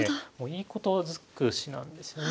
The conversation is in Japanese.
いいこと尽くしなんですよね。